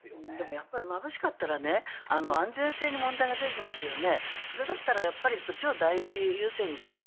やっぱりまぶしかったら安全性に問題が出てきますよね。